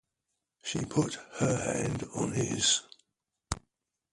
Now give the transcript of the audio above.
She put her hand on his.